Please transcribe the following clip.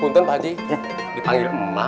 untung pakji dipanggil